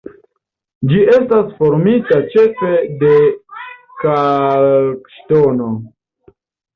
Ĝi estas formita ĉefe de kalkŝtono.